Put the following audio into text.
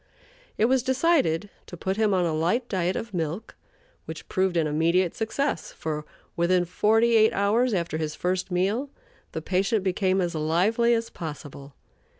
It was decided to put him on a light diet of milk, which proved an immediate success, for, within forty eight hours after his first meal, the patient became as lively as possible.